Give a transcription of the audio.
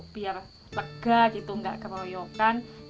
biar lega gitu nggak keroyokan